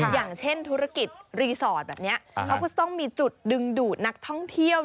อย่างเช่นธุรกิจรีสอร์ทแบบนี้เขาก็จะต้องมีจุดดึงดูดนักท่องเที่ยว